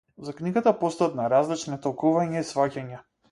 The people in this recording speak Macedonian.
За книгата постојат најразлични толкувања и сфаќања.